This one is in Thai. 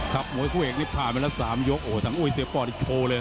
ครับมวยคู่เอกนี่ผ่านไปแล้ว๓ยกโอ้ทั้งอุ้ยเซฟปอร์ตอีกโชว์เลย